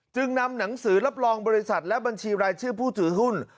นำหนังสือรับรองบริษัทและบัญชีรายชื่อผู้ถือหุ้น